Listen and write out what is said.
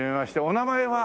お名前は？